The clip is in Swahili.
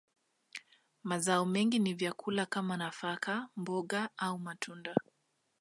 Mazao mengi ni vyakula kama nafaka, mboga, au matunda.